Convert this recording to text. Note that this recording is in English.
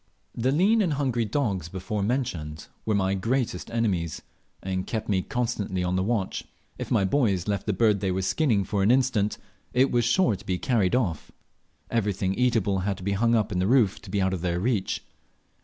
The lean and hungry dogs before mentioned were my greatest enemies, and kept me constantly on the watch. If my boys left the bird they were skinning for an instant, it was sure to be carried off. Everything eatable had to be hung up to the roof, to be out of their reach.